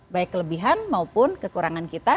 baik kelebihan maupun kekurangan kita